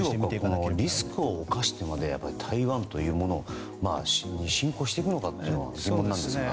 中国はリスクを冒してまで台湾というものに侵攻していくのかが疑問なんですが。